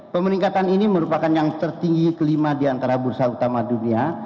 pemeringkatan ini merupakan yang tertinggi kelima di antara bursa utama dunia